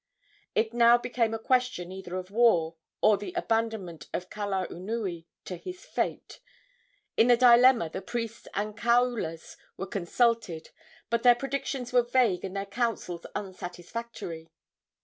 It now became a question either of war or the abandonment of Kalaunui to his fate. In this dilemma the priests and kaulas were consulted, but their predictions were vague and their counsels unsatisfactory.